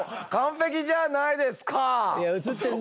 いやうつってんな。